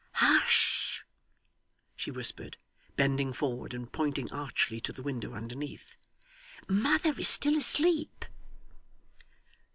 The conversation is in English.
'Hush!' she whispered, bending forward and pointing archly to the window underneath. 'Mother is still asleep.